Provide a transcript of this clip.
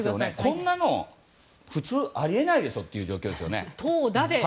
こんなの普通あり得ないでしょという状況ですね。